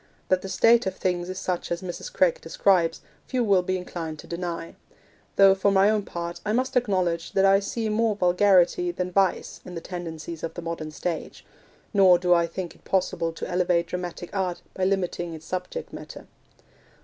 That the state of things is such as Mrs. Craik describes, few will be inclined to deny; though, for my own part, I must acknowledge that I see more vulgarity than vice in the tendencies of the modern stage; nor do I think it possible to elevate dramatic art by limiting its subject matter.